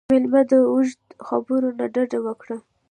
مېلمه ته د اوږدو خبرو نه ډډه وکړه.